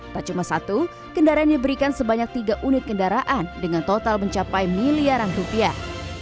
tak cuma satu kendaraannya berikan sebanyak tiga unit kendaraan dengan total mencapai miliaran rupiah